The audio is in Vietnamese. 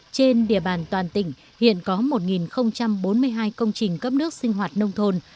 trên địa bàn toàn tỉnh hiện có một bốn mươi hai công trình cấp nước sinh hoạt nông thôn